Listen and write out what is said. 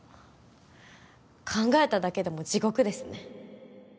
考えただけでも地獄ですね